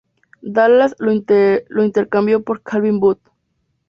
Dallas lo intercambió por Calvin Booth.